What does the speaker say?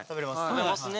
食べますね。